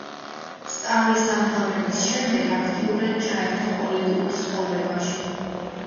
სწავლის დამთავრების შემდეგ აქტიურად ჩაერთო პოლიტიკურ ცხოვრებაში.